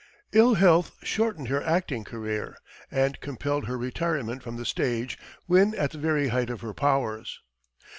Ill health shortened her acting career, and compelled her retirement from the stage when at the very height of her powers.